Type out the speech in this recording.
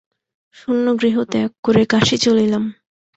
শূন্য গৃহ ত্যাগ করে কাশী চলিলাম।